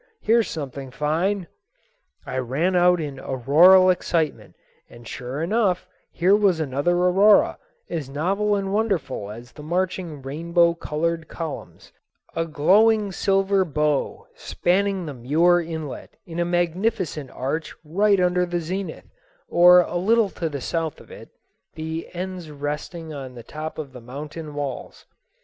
Here's something fine." I ran out in auroral excitement, and sure enough here was another aurora, as novel and wonderful as the marching rainbow colored columns—a glowing silver bow spanning the Muir Inlet in a magnificent arch right under the zenith, or a little to the south of it, the ends resting on the top of the mountain walls.